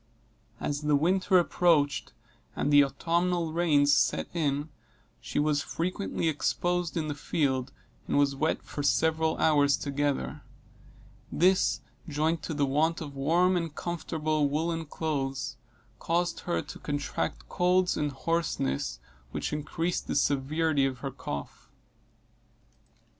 As the winter approached, and the autumnal rains set in, she was frequently exposed in the field, and was wet for several hours together; this, joined to the want of warm and comfortable woollen clothes, caused her to contract colds, and hoarseness, which increased the severity of her cough.